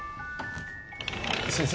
先生？